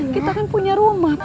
kita kan punya rumah